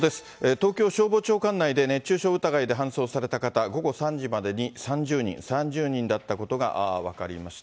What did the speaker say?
東京消防庁管内で、熱中症疑いで搬送された方、午後３時までに３０人、３０人だったことが分かりました。